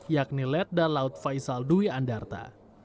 yakni led dan laut faisal dwi andarta